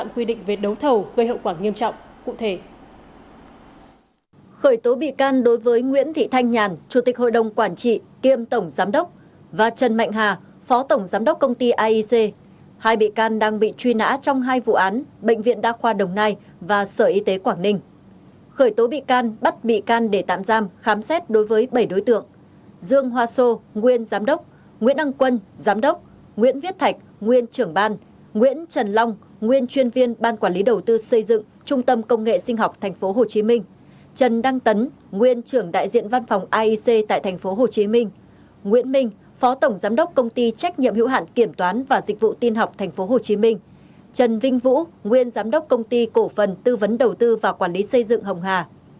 quản lý đầu tư xây dựng trung tâm công nghệ sinh học tp hcm trần đăng tấn nguyên trưởng đại diện văn phòng aic tại tp hcm nguyễn minh phó tổng giám đốc công ty trách nhiệm hữu hạn kiểm toán và dịch vụ tin học tp hcm trần vinh vũ nguyên giám đốc công ty cổ phần tư vấn đầu tư và quản lý xây dựng hồng hà